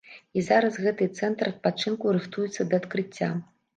І зараз гэты цэнтр адпачынку рыхтуецца да адкрыцця.